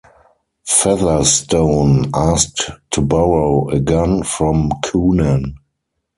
Featherstone asked to borrow a gun from Coonan.